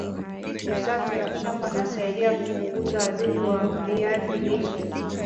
usafi wa shamba unasaidia kupunguza wadudu wa viazi lishe